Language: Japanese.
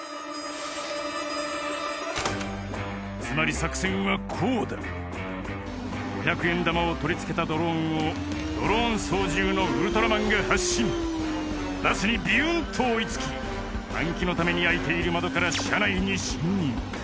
つまり作戦はこうだ５００円玉を取り付けたドローンをドローン操縦のウルトラマンが発進バスにビュンと追い付き換気のために開いている窓から車内に進入